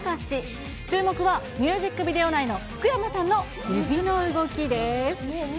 注目はミュージックビデオ内の福山さんの指の動きです。